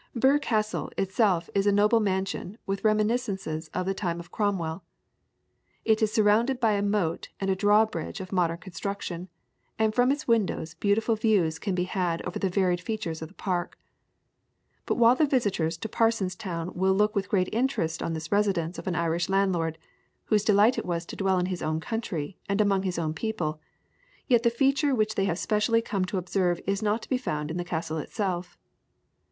Birr Castle itself is a noble mansion with reminiscences from the time of Cromwell. It is surrounded by a moat and a drawbridge of modern construction, and from its windows beautiful views can be had over the varied features of the park. But while the visitors to Parsonstown will look with great interest on this residence of an Irish landlord, whose delight it was to dwell in his own country, and among his own people, yet the feature which they have specially come to observe is not to be found in the castle itself.